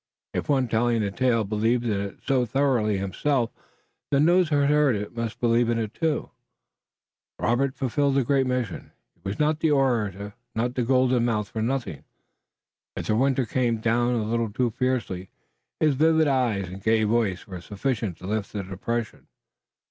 If one telling a tale believed in it so thoroughly himself then those who heard it must believe in it too. Robert fulfilled a great mission. He was not the orator, the golden mouthed, for nothing. If the winter came down a little too fiercely, his vivid eyes and gay voice were sufficient to lift the depression.